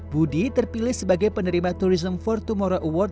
budi terpilih sebagai penerima tourism for tomorrow award